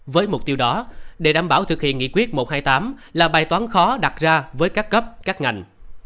với mục tiêu đó để đảm bảo thực hiện nghị quyết một trăm hai mươi tám là bài toán khó đặt ra với các cấp các ngành